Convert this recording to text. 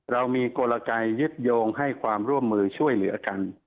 เรามีกลไกยึดโยงให้ความร่วมมือช่วยเหลือกัน